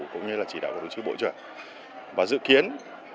cũng như là chỉ đạo của đồng chí bộ trưởng